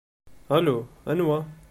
Alu, anwa?